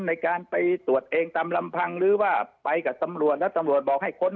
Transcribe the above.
ในการไปตรวจเองตามลำพังหรือว่าไปกับตำรวจแล้วตำรวจบอกให้ค้น